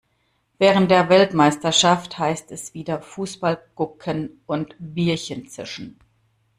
Während der Weltmeisterschaft heißt es wieder Fußball gucken und Bierchen zischen.